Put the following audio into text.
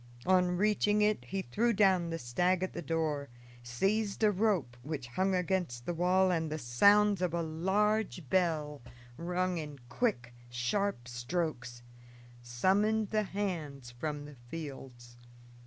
On reaching it he threw down the stag at the door, seized a rope which hung against the wall, and the sounds of a large bell, rung in quick, sharp strokes, summoned the hands from the fields.